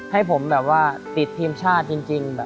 ให้ผมแบบว่าติดทีมชาติจริง